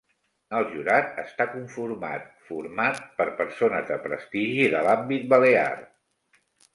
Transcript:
El jurat està conformat format per persones de prestigi de l'àmbit balear.